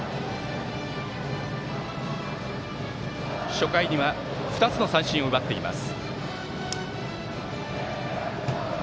初回には２つの三振を奪っています。